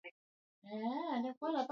Treni itaondoka saa tano asubuhi